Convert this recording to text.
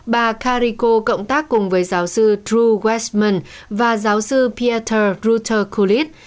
bà carrico cộng tác cùng với giáo sư drew westman và giáo sư pieter ruter kulit